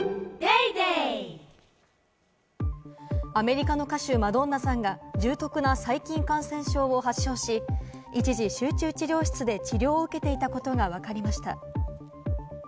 アメリカの歌手・マドンナさんが重篤な細菌感染症を発症し、一時、集中治療室で治療を受けていたことがわかりました。